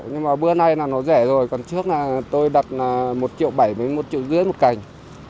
nhưng mà bữa nay nó rẻ rồi còn trước tôi đặt một triệu bảy với một triệu rưỡi một cành